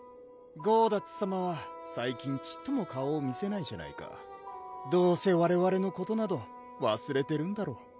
ゴーダッツさまは最近ちっとも顔を見せないじゃないかどうせわれわれのことなどわすれてるんだろう